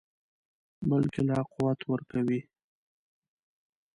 بلکې لا قوت ورکوي.